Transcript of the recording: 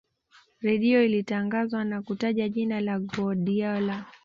redio zilitangaza na kutaja jina la guardiola